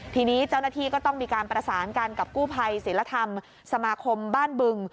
ทีนี้เจ้าหน้าที่ก็ต้องมีการประสานกันกับกู้ภัยศิลธรรมสมาคมบ้านบึง